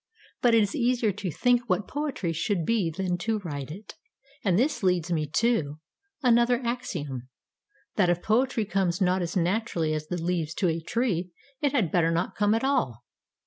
But it is easier to think what poetry should be than to write it and this leads me to Another axiom That if poetry comes not as naturally as the leaves to a tree, it had better not come at all.